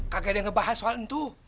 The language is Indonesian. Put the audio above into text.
kagak ada yang ngebahas soal itu